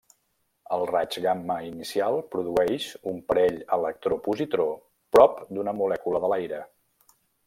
El raig gamma inicial produeix un parell electró-positró prop d'una molècula de l'aire.